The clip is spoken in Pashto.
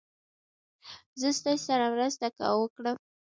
زه ستاسې سره مرسته وکړم.